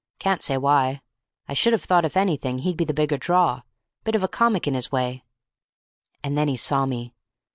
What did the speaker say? Can't say why. I should have thought, if anything, he'd be the bigger draw. Bit of a comic in his way!' And then he saw me.